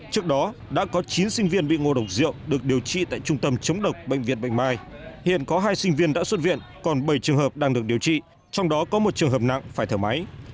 trước đó đã có chín sinh viên bị ngộ độc rượu được điều trị tại trung tâm chống độc bệnh viện bạch mai hiện có hai sinh viên đã xuất viện còn bảy trường hợp đang được điều trị trong đó có một trường hợp nặng phải thở máy